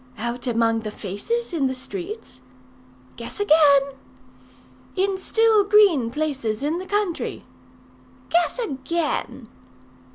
"Out amongst the faces in the streets." "Guess again." "In still green places in the country?" "Guess again."